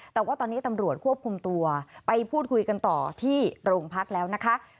แต่ว่าตอนนี้ตำรวจควบคุมตัวไปพูดคุยกันต่อที่โรงพักแล้วนะคะ